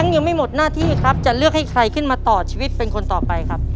ยังไม่หมดหน้าที่ครับจะเลือกให้ใครขึ้นมาต่อชีวิตเป็นคนต่อไปครับ